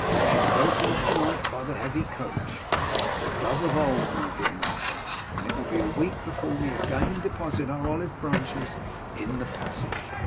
We shall go forth to night by the heavy coach like the dove of old, my dear Martin and it will be a week before we again deposit our olive branches in the passage.